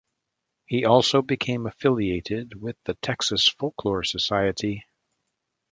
He also became affiliated with the Texas Folklore Society.